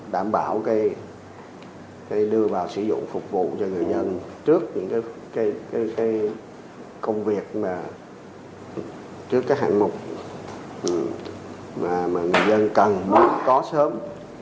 đảm bảo đưa vào sử dụng phục vụ cho người dân trước những công việc mà trước các hạng mục mà người dân cần muốn có sớm